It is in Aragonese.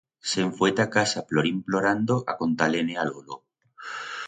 Se'n fue ta casa plorín-plorando a contar-le-ne a lolo.